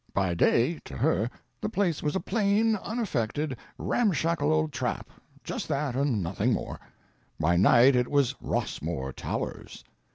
By day, to her, the place was a plain, unaffected, ramshackle old trap— just that, and nothing more; by night it was Rossmore Towers.